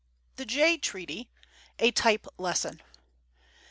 THE JAY TREATY. A TYPE LESSON.